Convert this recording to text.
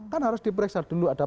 kan harus diperiksa dulu ada